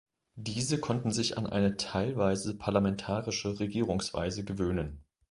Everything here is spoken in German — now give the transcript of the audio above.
Diese konnten sich an eine teilweise parlamentarische Regierungsweise gewöhnen.